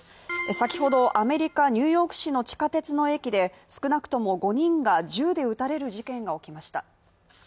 先ほどアメリカ・ニューヨーク市の地下鉄の駅で少なくとも５人が銃で撃たれる事件が起きました。